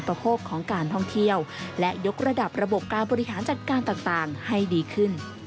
เพราะว่าเราต้องสแกนลายนิ้วมือพรุ่งที่จะประมาณประมาณนี้ค่ะ